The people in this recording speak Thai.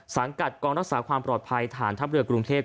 สังกัดกองรักษาความปลอดภัยฐานทัพเรือกรุงเทพ